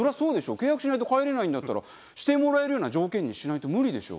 契約しないと帰れないんだったらしてもらえるような条件にしないと無理でしょ。